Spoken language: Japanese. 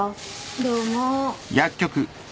どうも。